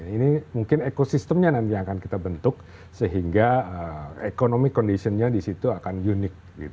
ini mungkin ekosistemnya nanti yang akan kita bentuk sehingga ekonomi conditionnya di situ akan unik